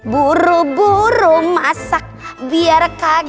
buru buru masak biar kakaknya bisa nyaman